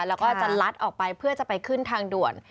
แล้วก็จะลัดออกไปเพื่อจะไปขึ้นทางด่วน